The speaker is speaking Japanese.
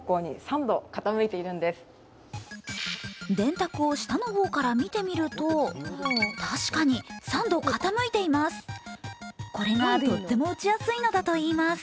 電卓を下の方から見てみると確かに３度傾いています。